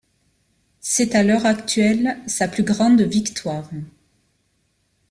C'est à l'heure actuelle sa plus grande victoire.